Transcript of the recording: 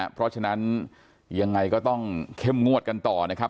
เพราะฉะนั้นยังไงก็ต้องเข้มงวดกันต่อนะครับ